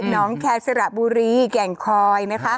หนองแคสระบุรีแก่งคอย